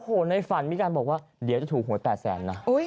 โอ้โหในฝันมีการบอกว่าเดี๋ยวจะถูกหวย๘แสนนะ